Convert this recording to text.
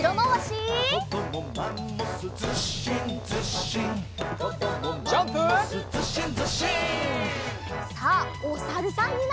おさるさん。